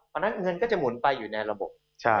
เพราะฉะนั้นเงินก็จะหมุนไปอยู่ในระบบ